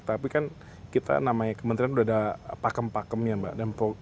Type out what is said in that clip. tapi kan kita namanya kementerian udah ada pakem pakem ya mbak